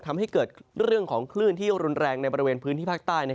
ทำให้เกิดเรื่องของคลื่นที่รุนแรงในบริเวณพื้นที่ภาคใต้